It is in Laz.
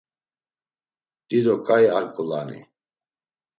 Dido ǩai ar ǩulani.